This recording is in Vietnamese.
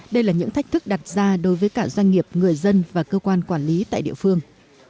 đây là những thách thức đặt ra đối với cả doanh nghiệp người dân và cơ quan quản lý tại địa phương